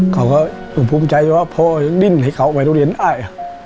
เขาก็ภูมิใจว่าพ่อยังดิ้นให้เขาไปโรงเรียนได้